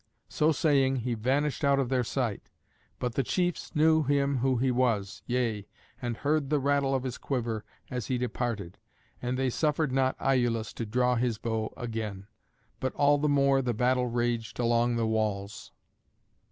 So saying he vanished out of their sight. But the chiefs knew him who he was, yea, and heard the rattle of his quiver as he departed. And they suffered not Iülus to draw his bow again. But all the more the battle raged along the walls.